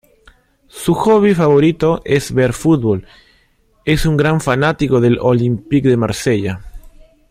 Su hobby favorito es ver fútbol, es un gran fanático del Olympique de Marsella.